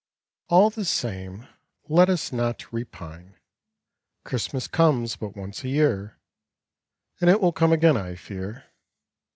All the same, Let us not repine: Christmas comes but once a year, And it will come again, I fear.